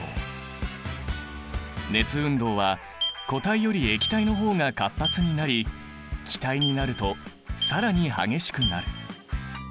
熱運動は固体より液体の方が活発になり気体になると更に激しくなる。